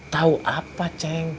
tahu apa ceng